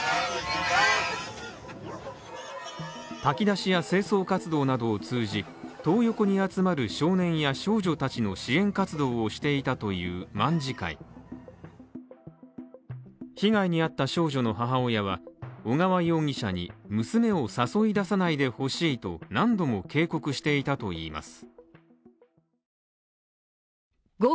炊き出しや清掃活動などを通じ、トー横に集まる少年や少女たちの支援活動をしていたという卍会被害に遭った少女の母親は、小川容疑者に娘を誘い出さないでほしいと何度も警告していたといいます。